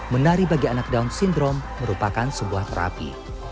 menari bagi anak down syndrome merupakan sebuah terapi